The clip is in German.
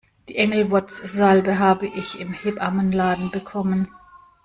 Die Engelwurzsalbe habe ich im Hebammenladen bekommen.